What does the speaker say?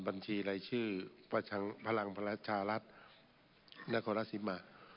บัญชีไร้ชื่อพลังพลัชชาลัฐนโกราชิมะ